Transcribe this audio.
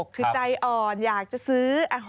คือใจอ่อนอยากจะซื้อ